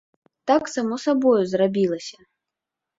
Так само сабою зрабілася.